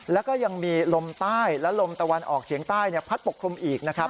แล้วก็ยังมีลมใต้และลมตะวันออกเฉียงใต้พัดปกคลุมอีกนะครับ